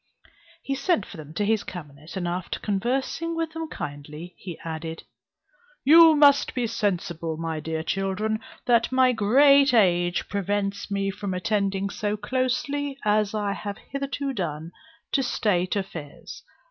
He sent for them to his cabinet, and after conversing with them kindly, he added: "You must be sensible, my dear children, that my great age prevents me from attending so closely as I have hitherto done to state affairs.